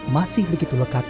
bapak ini yeti sama abak